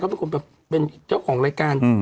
เป็นคนแบบเป็นเจ้าของรายการ